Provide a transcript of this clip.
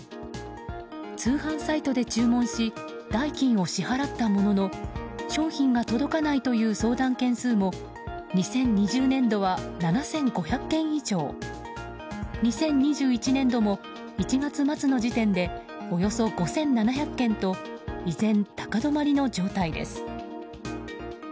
通販サイトで注文し代金を支払ったものの商品が届かないという相談件数も２０２０年度は７５００件以上２０２１年度も１月末の時点でおよそ５７００件と依然、高止まりの状態です。